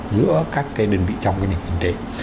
giữa các cái đơn vị trong cái nền chính trị